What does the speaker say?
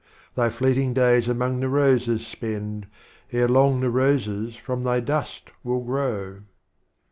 Thy Fleeting Days among the Roses spend, Ere long the Roses from Tliy Dust will grow.